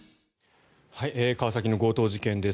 川崎の強盗事件です。